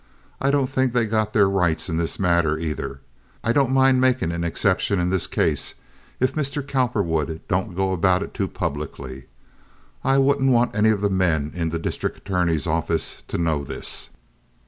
I don' think they got their rights in this matter, either. I don't mind making an exception in this case if Mr. Cowperwood don't go about too publicly. I wouldn't want any of the men in the district attorney's office to know this.